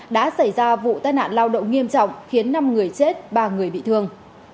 đã xảy ra vụ tai nạn lao động nghiêm trọng khiến năm người chết ba người bị thương